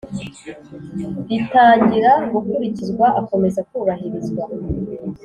Ritangira gukurikizwa akomeza kubahirizwa